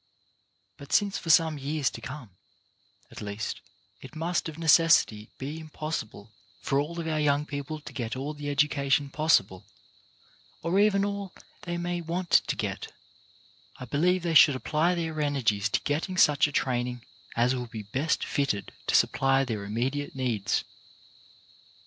But since for some years to come, at least, it must of necessity be impossible for all of our young people to get all the education possible, or even all they may want to get, I believe they should apply their energies to getting such a training as will be best fitted to supply their immediate needs.